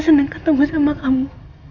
seneng ketemu sama kamu